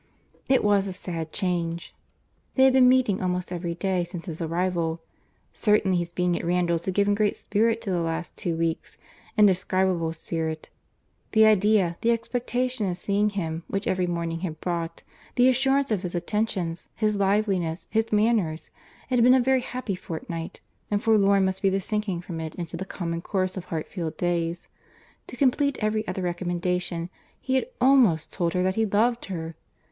It was a sad change. They had been meeting almost every day since his arrival. Certainly his being at Randalls had given great spirit to the last two weeks—indescribable spirit; the idea, the expectation of seeing him which every morning had brought, the assurance of his attentions, his liveliness, his manners! It had been a very happy fortnight, and forlorn must be the sinking from it into the common course of Hartfield days. To complete every other recommendation, he had almost told her that he loved her.